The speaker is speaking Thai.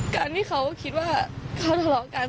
การที่เขาคิดว่าเขาทะเลาะกัน